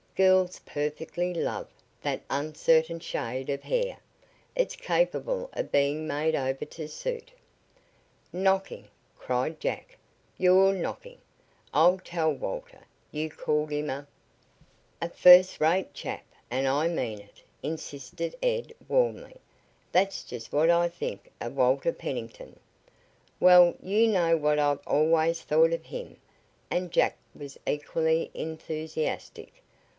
Girls 'perfectly love' that uncertain shade of hair. It's capable of being made over to suit " "Knocking!" cried Jack. "You're knocking! I'll tell Walter. You called him a " "A first rate chap, and I mean it!" insisted Ed warmly. "That's just what I think of Walter Pennington." "Well, you know what I've always thought of him," and Jack was equally enthusiastic.